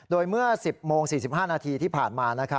โดยเมื่อ๑๐โมง๔๕นาทีที่ผ่านมา